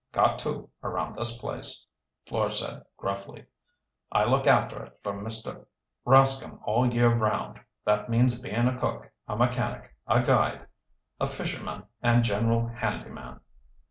"Got to, around this place," Fleur said gruffly. "I look after it for Mr. Rascomb all year 'round. That means bein' a cook, a mechanic, a guide, a fisherman and general handy man."